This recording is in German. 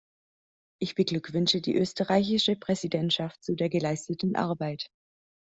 Ich beglückwünsche die österreichische Präsidentschaft zu der geleisteten Arbeit.